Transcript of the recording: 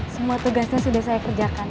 semua tugasnya sudah saya kerjakan